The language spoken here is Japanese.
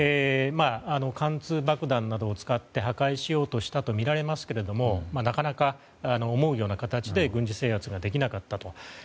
貫通爆弾などを使って破壊しようとしたとみられますけれどもなかなか思うような形で軍事制圧ができなかったと。